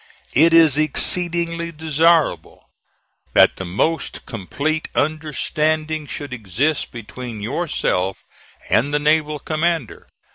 "It is exceedingly desirable that the most complete understanding should exist between yourself and the naval commander.